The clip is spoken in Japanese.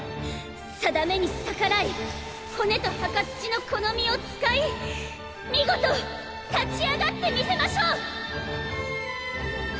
運命に逆らい骨と墓土のこの身を使い見事立ち上がってみせましょう！！